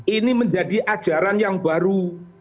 ini menjadi ajaran yang baru